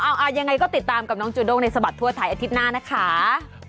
เอาอย่างไรก็ติดตามกับน้องจุดกในภัรคฯภัยอาทิตย์หน้านะครับ